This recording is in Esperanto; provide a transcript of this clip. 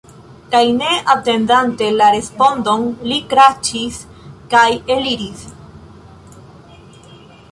Kaj, ne atendante la respondon, li kraĉis kaj eliris.